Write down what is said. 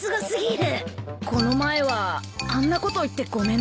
この前はあんなこと言ってごめんな。